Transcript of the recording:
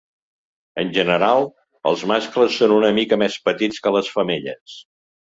En general, els mascles són una mica més petits que les femelles.